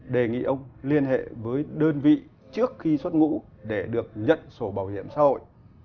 đề nghị ông liên hệ với đơn vị trước khi xuất ngũ để được nhận sổ bảo hiểm xã hội